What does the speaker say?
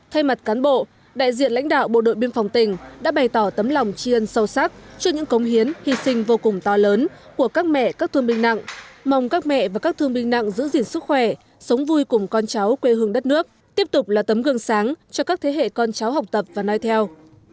thay mặt cán bộ đại diện lãnh đạo bộ đội biên phòng tỉnh đã bày tỏ tấm lòng tri ân sâu sắc cho những công hiến hy sinh vô cùng to lớn của các mẹ các thương binh nặng mong các mẹ và các thương binh nặng giữ gìn sức khỏe sống vui cùng con cháu quê hương đất nước tiếp tục là tấm gương sáng cho các thế hệ con cháu học tập và nói theo